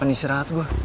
penisir hati gue